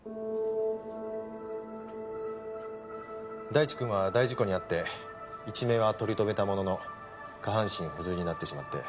大地くんは大事故に遭って一命は取り留めたものの下半身不随になってしまって。